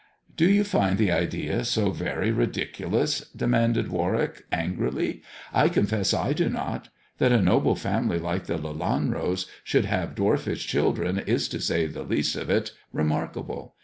"Do you find the idea so very ridiculous 1 " demanded Warwick angrily. "I confess I do not. That a noble family like the Lelanros should have dwarfish children is, to say the least of it, remarkable.